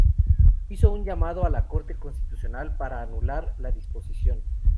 Hizo un llamado a la corte constitucional para anular la disposición.